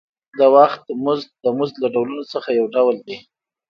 د وخت مزد د مزد له ډولونو څخه یو ډول دی